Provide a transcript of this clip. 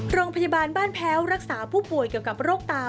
โรงพยาบาลบ้านแพ้วรักษาผู้ป่วยเกี่ยวกับโรคตา